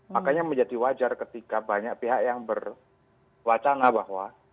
makanya menjadi wajar ketika banyak pihak yang berwacana bahwa